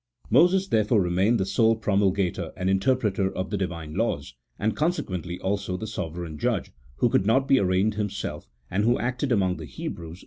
Moses, therefore, remained the sole promulgator and interpreter of the Divine laws, and con sequently also the sovereign judge, who could not be ar raigned himself, and who acted among the Hebrews the CHAP.